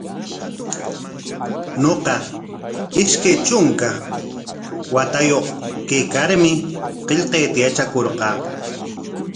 Ñuqa ishkay trunka watayuq karraqmi qillqayta yatrakurqaa.